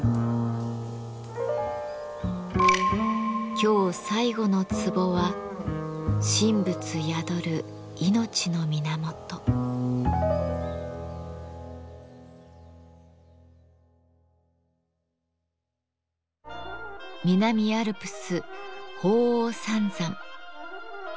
今日最後のツボは南アルプス鳳凰三山。